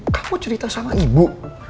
kamu cerita sama ibu